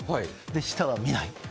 下は見ない。